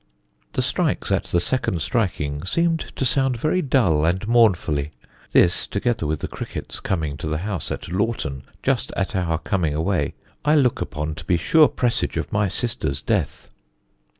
The strikes at the 2nd striking seemed to sound very dull and mournfully; this, together with the crickets coming to the house at Laughton just at our coming away, I look upon to be sure presages of my sister's death."